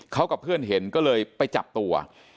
เขากับเพื่อนเห็นก็เลยไปจับตัว